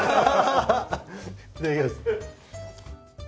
いただきます。